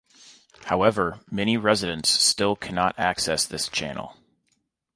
However many residents still cannot access this channel.